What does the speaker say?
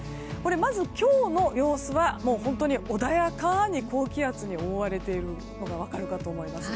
まず、今日の様子は本当に穏やかに高気圧に覆われているのが分かるかと思います。